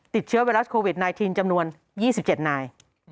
ติดเชื้อไวรัสโควิด๑๙จำนวน๒๗นาย